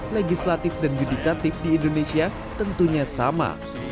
legislatif dan yudikatif di indonesia tentunya sama